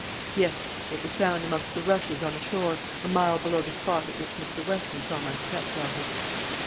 "Yes; it was found amongst the rushes on the shore, a mile below the spot at which Mr. Weston saw my step daughter."